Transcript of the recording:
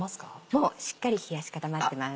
もうしっかり冷やし固まってます。